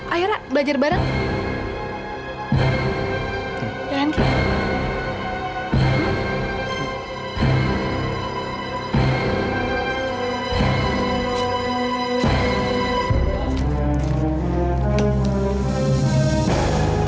ayo lah belajar bareng mereka aja ya tante